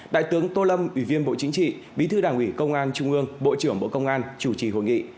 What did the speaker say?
đại tướng tô lâm ủy viên bộ chính trị bí thư đảng ủy công an trung ương bộ trưởng bộ công an chủ trì hội nghị